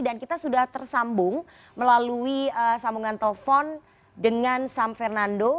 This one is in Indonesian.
dan kita sudah tersambung melalui sambungan telepon dengan sam fernando